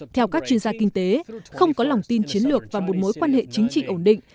theo các chuyên gia kinh tế không có lòng tin chiến lược và một mối quan hệ chính trị ổn định